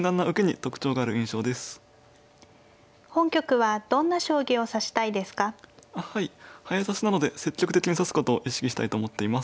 はい早指しなので積極的に指すことを意識したいと思っています。